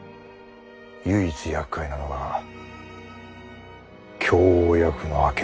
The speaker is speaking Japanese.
唯一やっかいなのが供応役の明智。